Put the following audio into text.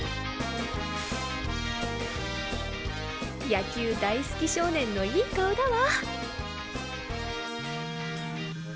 野球大好き少年のいい顔だわ。